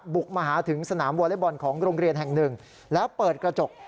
บุกมาหาถึงสนามวอเล็กบอลของโรงเรียนแห่งหนึ่งแล้วเปิดกระจก